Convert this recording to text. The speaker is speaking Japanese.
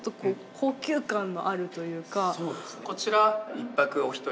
こちら。